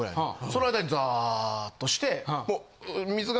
その間にザーッとして。